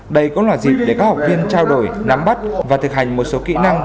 đây cũng là dịp để các học viên trao đổi nắm bắt và thực hành một số kỹ năng